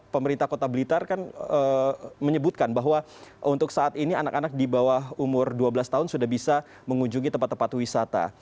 pemerintah kota blitar kan menyebutkan bahwa untuk saat ini anak anak di bawah umur dua belas tahun sudah bisa mengunjungi tempat tempat wisata